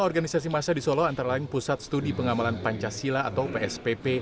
dua puluh lima organisasi masyarakat di solo antara lain pusat studi pengamalan pancasila atau pspp